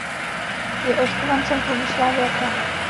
Je odchovancem klubu Slavia Praha.